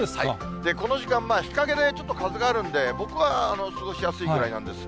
この時間、日陰でちょっと風があるんで、僕は過ごしやすいくらいなんです。